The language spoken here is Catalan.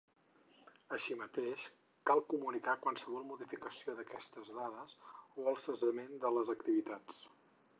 Així mateix, cal comunicar qualsevol modificació d'aquestes dades o el cessament de les activitats.